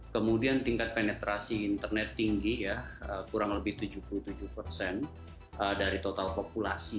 kemudian tingkat penetrasi internet tinggi ya kurang lebih tujuh puluh tujuh dari total populasi